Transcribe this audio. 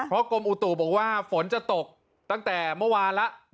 เพราะกรมอุตุบอกว่าฝนจะตกตั้งแต่เมื่อวานแล้ว